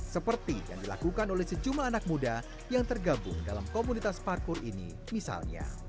seperti yang dilakukan oleh sejumlah anak muda yang tergabung dalam komunitas parkur ini misalnya